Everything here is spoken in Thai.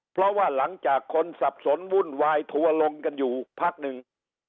เพราะว่าหลังจากคนสับสนวุ่นวายทัวร์ลงกันอยู่พักหนึ่ง